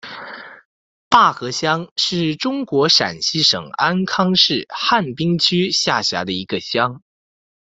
坝河乡是中国陕西省安康市汉滨区下辖的一个乡。